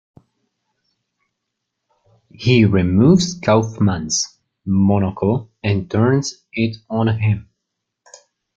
He removes Kaufmann's monocle and turns it on him.